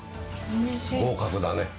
合格だね。